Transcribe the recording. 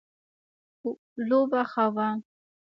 لوبه ښه وه